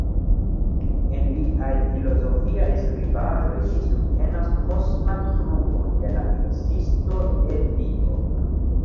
En liaj filozofiaj skribaĵoj li subtenas kosman pruvon de la ekzisto de Dio.